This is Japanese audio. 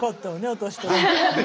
私たち。